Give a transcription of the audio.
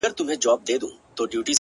ها د فلسفې خاوند ها شتمن شاعر وايي’